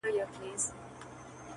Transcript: اوس به سخته سزا درکړمه و تاته,